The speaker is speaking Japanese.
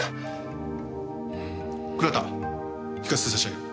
倉田聞かせて差し上げろ。